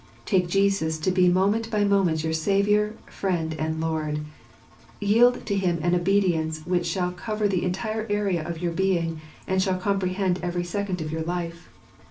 Take Jesus to be moment by moment your Saviour, Friend, and Lord; and yield to Him an obedience which shall cover the entire area of your being, and shall comprehend every second of your time.